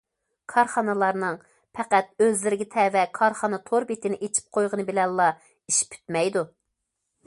كارخانىلارنىڭ پەقەت ئۆزلىرىگە تەۋە كارخانا تور بېتىنى ئېچىپ قويغىنى بىلەنلا ئىش پۈتمەيدۇ.